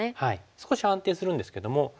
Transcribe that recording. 少し安定するんですけども。